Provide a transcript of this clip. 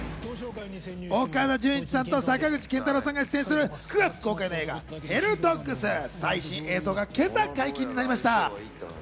岡田准一君と坂口健太郎さんが出演する９月公開の映画『ヘルドッグス』の最新映像が今朝、解禁になりました。